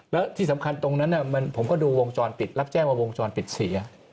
แล้วที่สำคัญตรงนั้นผมก็ดูวงจรปิดรับแจ้งว่าวงจรปิดเสีย